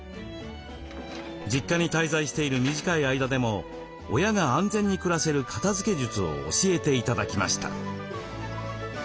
実家に滞在している短い間でも親が安全に暮らせる片づけ術を教えて頂きました。